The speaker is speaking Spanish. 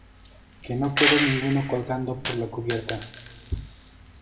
que no quede ninguno colgando por la cubierta.